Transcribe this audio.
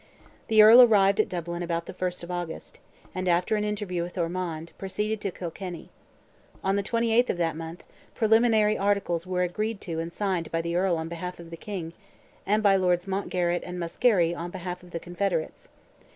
The Earl arrived at Dublin about the 1st of August, and, after an interview with Ormond, proceeded to Kilkenny. On the 28th of that month, preliminary articles were agreed to and signed by the Earl on behalf of the King, and by Lords Mountgarrett and Muskerry on behalf of the Confederates.